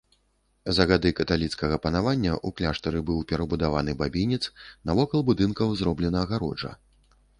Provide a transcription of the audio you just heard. За гады каталіцкага панавання ў кляштары быў перабудаваны бабінец, навокал будынкаў зроблена агароджа.